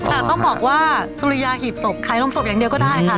แต่ต้องบอกว่าสุริยาหีบศพขายโรงศพอย่างเดียวก็ได้ค่ะ